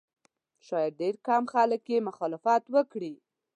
شاید ډېر کم خلک یې مخالفت وکړي.